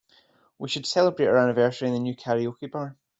We should celebrate our anniversary in the new karaoke bar.